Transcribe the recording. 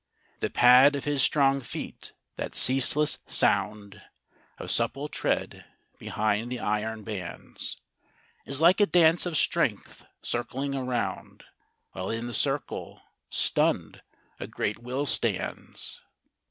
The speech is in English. The pad of his strong feet, that ceaseless sound Of supple tread behind the iron bands, Is like a dance of strength circling around, While in the circle, stunned, a great will stands.